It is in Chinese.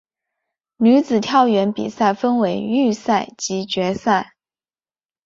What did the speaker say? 女子跳远比赛分为预赛及决赛。